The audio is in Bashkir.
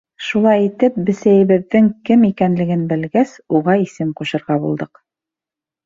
Шулай итеп, бесәйебеҙҙең «кем» икәнлеген белгәс, уға исем ҡушырға булдыҡ.